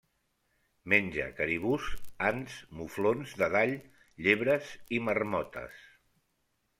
Menja caribús, ants, muflons de Dall, llebres i marmotes.